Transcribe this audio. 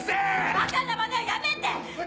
ばかなまねはやめて！